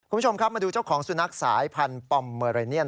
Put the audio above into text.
คุณผู้ชมครับมาดูเจ้าของสุนัขสายพันธุ์ปอมเมอเรเนียน